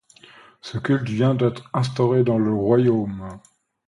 Ce culte vient d'être instauré dans le royaume.